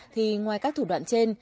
thì ngoài các thủ đoạn trên